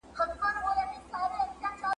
ړوند یې د فکر پر سمو لارو `